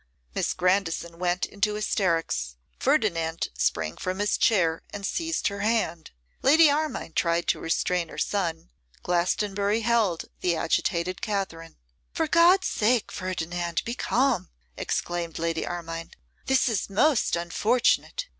Miss Grandison went into hysterics; Ferdinand sprang from his chair and seized her hand; Lady Armine tried to restrain her son; Glastonbury held the agitated Katherine. 'For God's sake, Ferdinand, be calm,' exclaimed Lady Armine. 'This is most unfortunate.